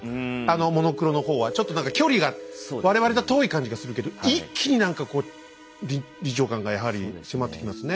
モノクロの方はちょっと何か距離が我々と遠い感じがするけど一気に何か臨場感がやはり迫ってきますね